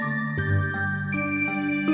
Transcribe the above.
bukan di rumah